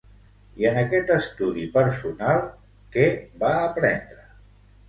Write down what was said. I en aquest estudi personal, què va aprendre?